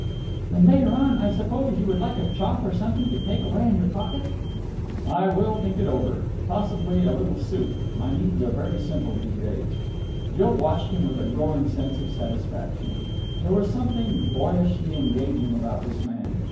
"And later on, I suppose, you would like a chop or something to take away in your pocket?" "I will think it over. Possibly a little soup. My needs are very simple these days." Jill watched him with a growing sense of satisfaction. There was something boyishly engaging about this man.